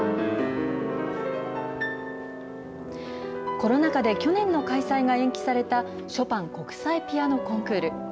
ころなかで去年の開催が延期された、ショパン国際ピアノコンクール。